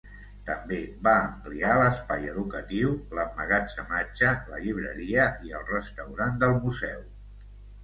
També va ampliar l'espai educatiu, l'emmagatzematge, la llibreria i el restaurant del museu.